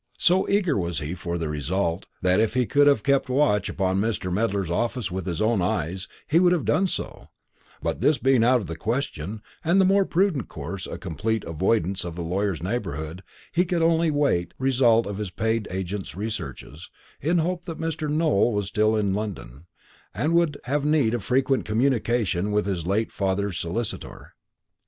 So eager was he for the result, that if he could have kept a watch upon Mr. Medler's office with his own eyes, he would have done so; but this being out of the question, and the more prudent course a complete avoidance of the lawyer's neighbourhood, he could only await the result of his paid agent's researches, in the hope that Mr. Nowell was still in London, and would have need of frequent communication with his late father's solicitor.